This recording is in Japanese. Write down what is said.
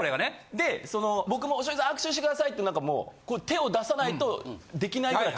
で僕も「庄司さん握手してください」ってもう手を出さないとできないぐらい。